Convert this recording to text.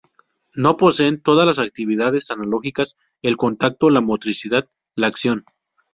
No poseen todas las actividades analógicas: el contacto, la motricidad, la acción.